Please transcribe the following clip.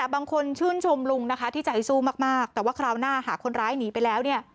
บางคนชื่นชมลุงนะคะที่ใจสู้มากแต่ว่าคราวหน้าหากคนร้ายหนีไปแล้วเนี่ย